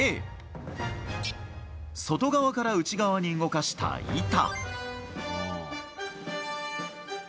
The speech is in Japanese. Ａ、外側から内側に動かした板。